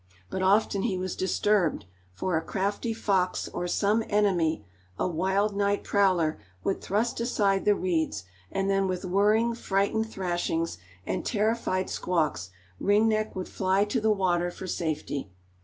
But often he was disturbed, for a crafty fox or some enemy, a wild night prowler, would thrust aside the reeds, and then with whirring, frightened thrashings, and terrified squawks, Ring Neck would fly to the water for safety.